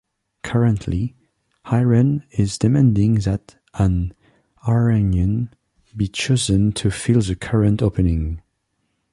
Currently, Iran is demanding that an Iranian be chosen to fill the current opening.